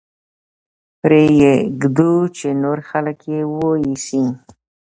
پرې يې ږدو چې نور خلک يې ويسي.